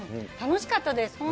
楽しかったです。